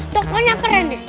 tokonya keren d